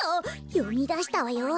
よみだしたわよ。